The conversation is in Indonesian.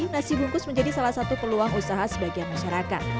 nasi bungkus menjadi salah satu peluang usaha sebagian masyarakat